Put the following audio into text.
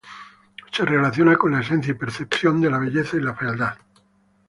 Se relaciona con la esencia y percepción de la belleza y fealdad.